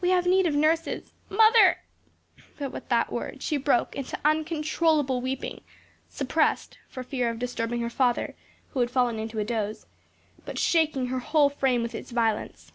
"We have need of nurses. Mother " But with that word she broke into uncontrollable weeping; suppressed, for fear of disturbing her father, who had fallen into a doze but shaking her whole frame with its violence.